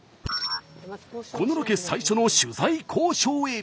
このロケ最初の取材交渉へ。